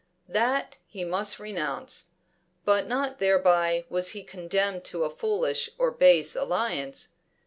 That, he must renounce. But not thereby was he condemned to a foolish or base alliance.